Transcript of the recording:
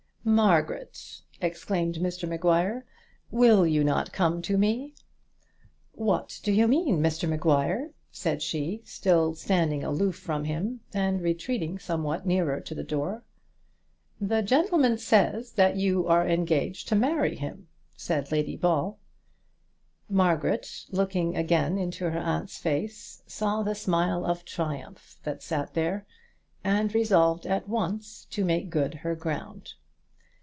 "Margaret," exclaimed Mr Maguire, "will you not come to me?" "What do you mean, Mr Maguire?" said she, still standing aloof from him, and retreating somewhat nearer to the door. "The gentleman says that you are engaged to marry him," said Lady Ball. Margaret, looking again into her aunt's face, saw the smile of triumph that sat there, and resolved at once to make good her ground.